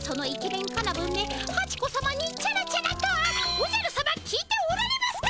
おじゃるさま聞いておられますか？